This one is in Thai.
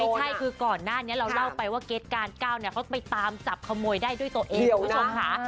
ไม่ใช่คือก่อนหน้านี้เราเล่าไปว่าเก็ตการ๙เขาไปตามจับขโมยได้ด้วยตัวเองคุณผู้ชมค่ะ